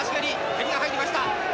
蹴りが入りました。